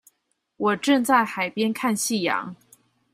我正在海邊看夕陽